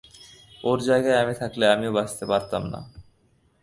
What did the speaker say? ওর জায়গায় আমি থাকলে আমিও বাঁচতে পারতাম না।